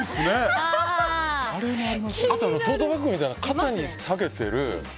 トートバッグみたいな肩に下げている。